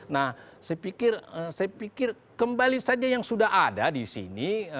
nah saya pikir saya pikir kembali saja yang sudah ada di sini